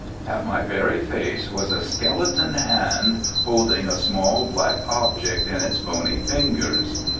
At my very face was a skeleton hand holding a small black object in its bony fingers.